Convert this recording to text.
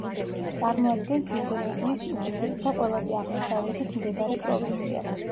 წარმოადგენს ინდონეზიის უდიდეს და ყველაზე აღმოსავლეთით მდებარე პროვინციას.